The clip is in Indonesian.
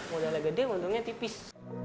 modalnya gede untungnya tipis